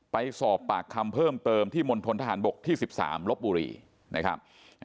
ไปสอบปากคำเพิ่มเติมที่มณฑนทหารบกที่๑๓ลบบุรีนะครับ